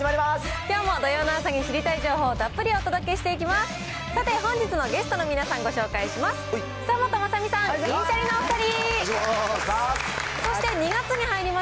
きょうも土曜の朝に知りたい情報をたっぷりお届けいたします。